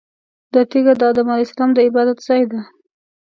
دا تیږه د ادم علیه السلام د عبادت ځای دی.